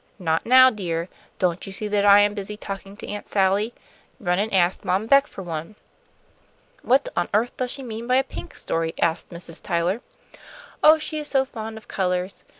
"Not now, dear; don't you see that I am busy talking to Aunt Sally? Run and ask Mom Beck for one." "What on earth does she mean by a pink story?" asked Mrs. Tyler. "Oh, she is so fond of colours.